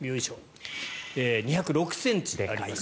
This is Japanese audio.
２０６ｃｍあります。